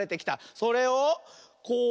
それをこう。